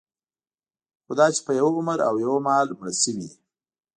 خوداچې په یوه عمر او یوه مهال مړه شوي دي.